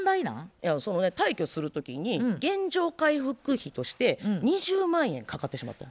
いやそのね退去する時に原状回復費として２０万円かかってしまったん。